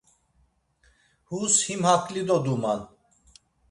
Hus him hakli doduman.